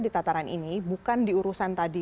di tataran ini bukan diurusan tadi